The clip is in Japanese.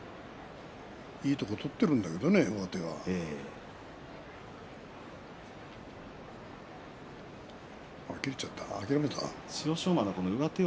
いいところを取っているんだけどね、上手は。